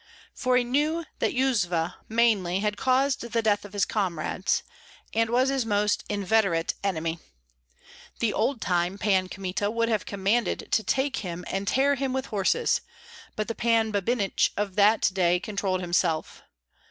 For he knew that Yuzva, mainly, had caused the death of his comrades, and was his most inveterate enemy. The old time Pan Kmita would have commanded to take him and tear him with horses, but the Pan Babinich of that day controlled himself.